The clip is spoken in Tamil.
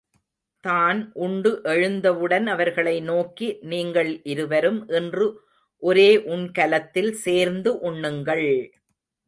தான் உண்டு எழுந்தவுடன் அவர்களை நோக்கி, நீங்கள் இருவரும் இன்று ஒரே உண்கலத்தில் சேர்ந்து உண்ணுங்கள்!